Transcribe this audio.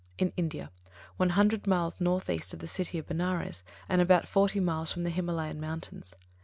In India, one hundred miles north east of the City of Benares, and about forty miles from the Himalaya mountains.